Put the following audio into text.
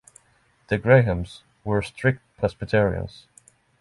The Grahams were strict Presbyterians.